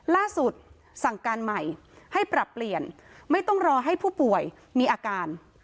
ล่าสุดสั่งการใหม่ให้ปรับเปลี่ยนไม่ต้องรอให้ผู้ป่วยมีอาการ